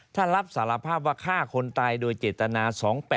ถ้ารับสารภาพว่าฆ่าคนตายโดยเจตนา๒๘๘